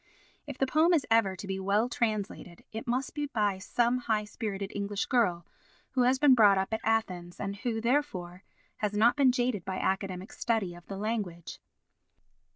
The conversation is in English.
If the poem is ever to be well translated, it must be by some high spirited English girl who has been brought up at Athens and who, therefore, has not been jaded by academic study of the language.